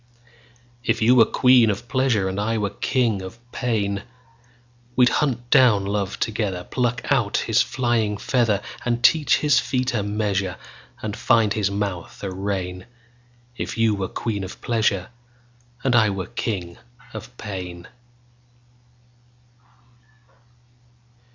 If you were queen of pleasure, And I were king of pain, We'd hunt down love together, Pluck out his flying feather, And teach his feet a measure, And find his mouth a rein; If you were queen of pleasure. And I were king of pain.